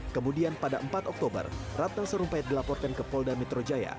kemudian pada empat oktober ratna sarumpait dilaporkan ke polda metro jaya